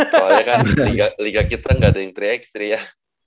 soalnya kan liga kita nggak ada yang tiga x tiga ya